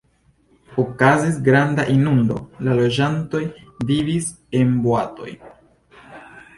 Okazis granda inundo, la loĝantoj vivis en boatoj.